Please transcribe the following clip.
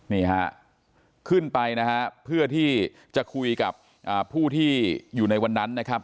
นี่ฮะขึ้นไปนะฮะเพื่อที่จะคุยกับผู้ที่อยู่ในวันนั้นนะครับ